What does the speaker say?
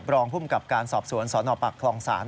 รองพุ่มกับการสอบสวนสอนออกปากคลองศาล